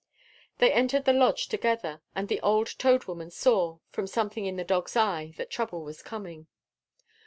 They entered the lodge together; and the old Toad Woman saw, from something in the dog's eye, that trouble was coming.